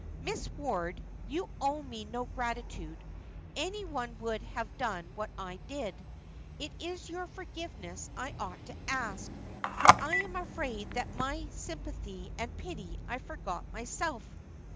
"Miss Ward, you owe me no gratitude; any one would have done what I did. It is your forgiveness I ought to ask, for I am afraid that in my sympathy and pity I forgot myself."